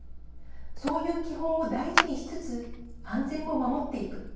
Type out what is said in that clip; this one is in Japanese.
そういう基本を大事にしつつ安全も守っていく。